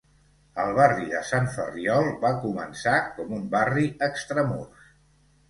El barri de Sant Ferriol va començar com un barri extramurs.